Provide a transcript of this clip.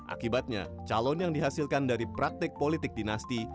akibatnya calon yang dihasilkan dari praktik politik dinasti